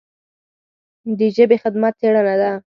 د ژبې خدمت څېړنه ده.